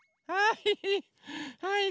はい。